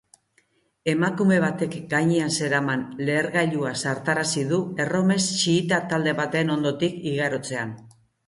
Emakume batek gainean zeraman lehergailua zartarazi du erromes xiita talde baten ondotik igarotzean.